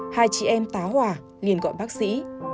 hai chị em tá hỏa liền gọi bác sĩ